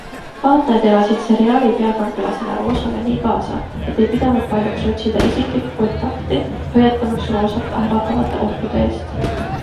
Vaatajad elasid seriaali peakangelasele Rosale nii kaasa, et ei pidanud paljuks otsida isiklikku kontakti hoiatamaks Rosat ähvardavate ohtude eest.